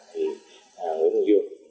thì nguyễn văn dương